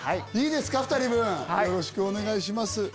よろしくお願いします。